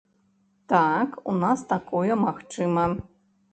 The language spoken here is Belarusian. Так, у нас такое магчыма.